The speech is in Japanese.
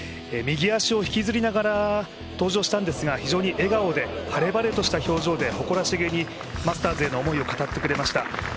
右足を引きずりながら登場したんですが、非常に笑顔で晴れ晴れとした表情で、誇らしげにマスターズの思いを語ってくれました。